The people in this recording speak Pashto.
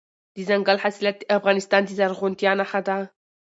دځنګل حاصلات د افغانستان د زرغونتیا نښه ده.